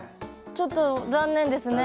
ちょっと残念ですね